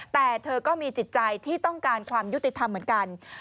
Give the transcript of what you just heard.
แต่เธอก็มีจิตใจที่ต้องการความยุติธรรมเหมือนกัน